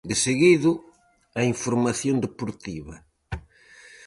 Deseguido, a información deportiva.